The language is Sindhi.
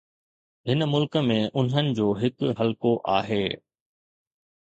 هن ملڪ ۾ انهن جو هڪ حلقو آهي.